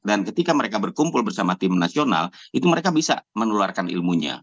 dan ketika mereka berkumpul bersama tim nasional mereka bisa meneluarkan ilmunya